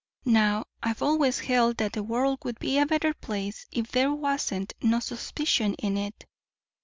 Now I've always held that the world would be a better place if there wasn't no suspicion in it.